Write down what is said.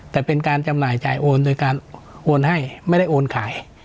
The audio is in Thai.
แต่เป็นการจำหน่ายจ่ายโอนโดยการโอนให้ไม่ได้โอนขาย